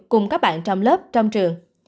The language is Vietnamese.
cùng các bạn trong lớp trong trường